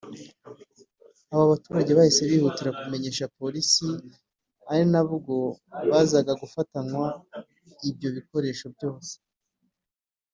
aba baturage bahise bihutira kumenyesha Polisi ari nabwo bazaga gufatanywa ibyo bikoresho byose